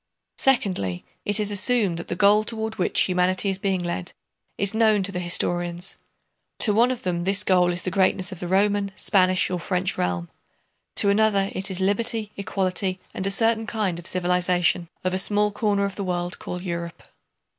Secondly, it is assumed that the goal toward which humanity is being led is known to the historians: to one of them this goal is the greatness of the Roman, Spanish, or French realm; to another it is liberty, equality, and a certain kind of civilization of a small corner of the world called Europe.